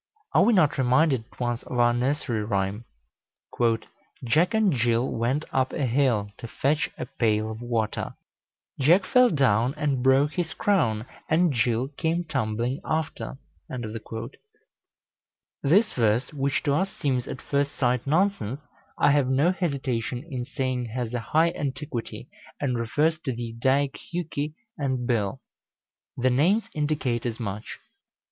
Are we not reminded at once of our nursery rhyme "Jack and Jill went up a hill To fetch a pail of water; Jack fell down, and broke his crown, And Jill came tumbling after"? This verse, which to us seems at first sight nonsense, I have no hesitation in saying has a high antiquity, and refers to the Eddaic Hjuki and Bil. The names indicate as much.